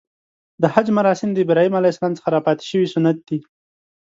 د حج مراسم د ابراهیم ع څخه راپاتې شوی سنت دی .